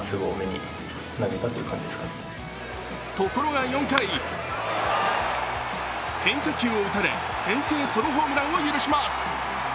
ところが、４回、変化球を打たれ、先制ソロホームランを許します。